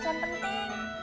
katanya ada urusan penting